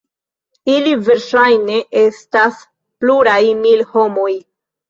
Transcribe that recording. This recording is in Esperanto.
Ili verŝajne estas pluraj mil homoj.